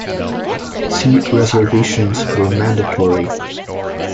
Seat reservations were mandatory.